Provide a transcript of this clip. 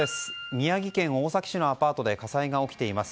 宮城県大崎市のアパートで火災が起きています。